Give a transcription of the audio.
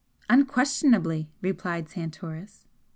"Unquestionably!" replied Santoris.